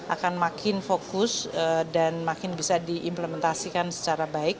akan makin fokus dan makin bisa diimplementasikan secara baik